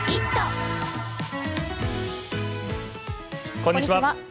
こんにちは。